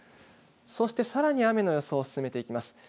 そして、さらに雨の予想を進めていきます。